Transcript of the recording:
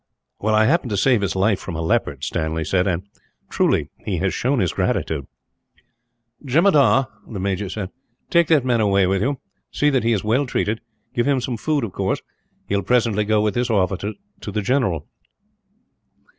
"I happened to save his life from a leopard," Stanley said, "and, truly, he has shown his gratitude." "Jemadar," the major said, "take that man away with you. See that he is well treated. Give him some food, of course. He will presently go with this officer to the general."